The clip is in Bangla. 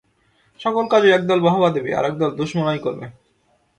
সকল কাজেই একদল বাহবা দেবে, আর একদল দুষমনাই করবে।